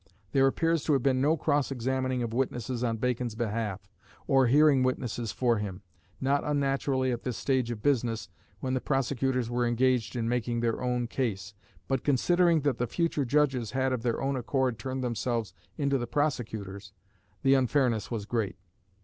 There appears to have been no cross examining of witnesses on Bacon's behalf, or hearing witnesses for him not unnaturally at this stage of business, when the prosecutors were engaged in making out their own case; but considering that the future judges had of their own accord turned themselves into the prosecutors, the unfairness was great.